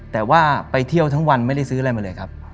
แต่ว่าไปเที่ยวทั้งวันไม่ได้ซื้ออะไรมาเลยครับ